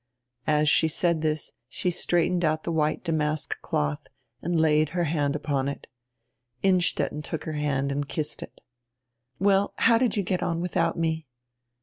As she said this she straightened out tire white damask cloth and laid her hand upon it. Innstetten took her hand and kissed it "Well, how did you get on without me?"